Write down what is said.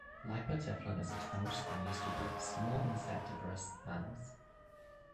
Lypotyphlan is a term which has been used to group small, insectivorous mammals.